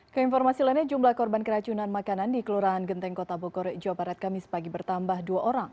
keinformasi lainnya jumlah korban keracunan makanan di kelurahan genteng kota bogor jawa barat kamis pagi bertambah dua orang